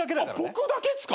僕だけっすか？